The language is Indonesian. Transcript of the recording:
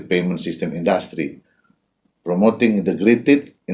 mempromosikan infrastruktur uang yang integrasi